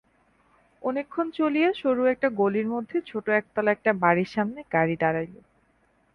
অনেকক্ষণ চলিয়া সরু একটা গলির মধ্যে ছোট একতলা একটা বাড়ির সামনে গাড়ি দাড়াইল।